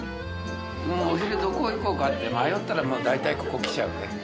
お昼どこ行こうかって迷ったら、大体ここ来ちゃうね。